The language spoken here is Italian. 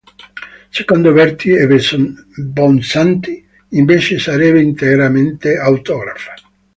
Secondo Berti e Bonsanti invece sarebbe interamente autografa.